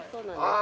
あ